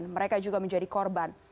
mereka juga menjadi korban